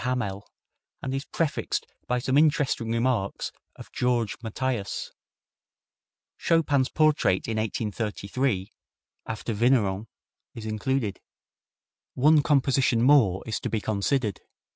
Hamelle, and is prefixed by some interesting remarks of Georges Mathias. Chopin's portrait in 1833, after Vigneron, is included. One composition more is to be considered.